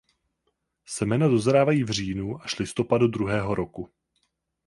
Semena dozrávají v říjnu až listopadu druhého roku.